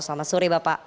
selamat sore bapak